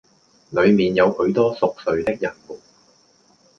裏面有許多熟睡的人們，